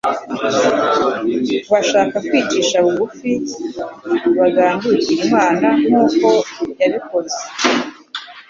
kubashaka kwicisha bugufi bakagandukira Imana nk'uko yabikoze.